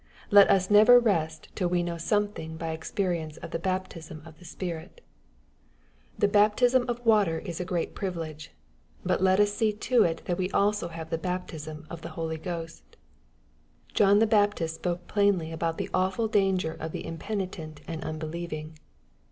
Let us never rest till we know something by experience of the baptism of the Spirit. The baptism of 20 EXPOSITOBT THOUQHTS. water is a gitaif privilege. But let us see to it that we have also the ba ptism of the Holy Ghost. John the Baptist spoke plainly alxmt the awfm danger of the impenitent and unbelieving.